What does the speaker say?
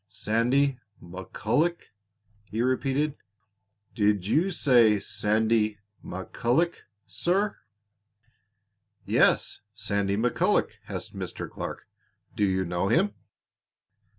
"Sandy McCulloch!" he repeated. "Did you say Sandy McCulloch, sir?" "Yes, Sandy McCulloch," answered Mr. Clark. "Do you know him?"